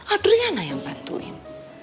adriana yang bantuin